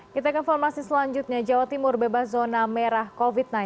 kita ke informasi selanjutnya jawa timur bebas zona merah covid sembilan belas